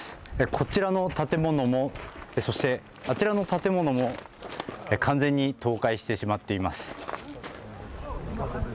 こちらの建物も、そして、あちらの建物も、完全に倒壊してしまっています。